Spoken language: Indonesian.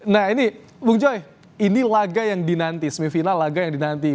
nah ini bung joy ini laga yang dinanti semifinal laga yang dinanti